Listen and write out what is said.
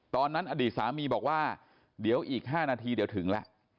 ตอนนั้นอดีตสามีบอกว่าเดี๋ยวอีกห้านาทีเดี๋ยวถึงละ